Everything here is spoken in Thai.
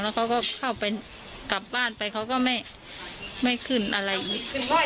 แล้วเขาก็เข้าไปกลับบ้านไปเขาก็ไม่ขึ้นอะไรอีก